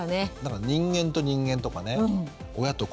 人間と人間とかね親と子どもとか。